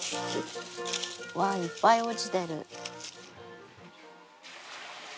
わあいっぱい落ちてる。